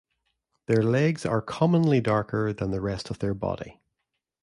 Their legs are commonly darker than the rest of their body.